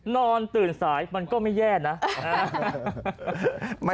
นอนตื่นสายมันก็ไม่แย่นะ